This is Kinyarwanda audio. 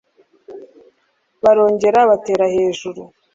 Barongera batera hejuru